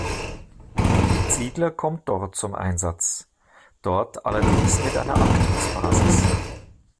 Ziegler kommt dort zum Einsatz, dort allerdings mit einer Actros-Basis.